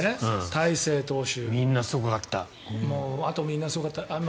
大勢投手。